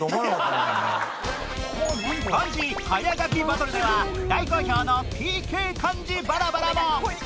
漢字早書きバトルでは大好評の ＰＫ 漢字バラバラも！